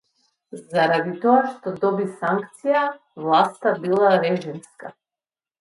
Заради тоа што доби санкција, власта била режимска